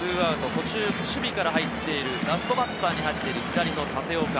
途中、守備から入っている、ラストバッターに入っている左の立岡。